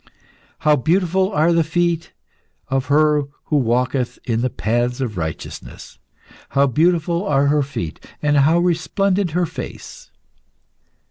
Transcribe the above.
"How beautiful are the feet of her who walketh in the paths of righteousness! How beautiful are her feet, and how resplendent her face!"